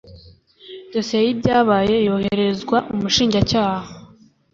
dosiye y ibyabaye yohererezwa umushinjacyaha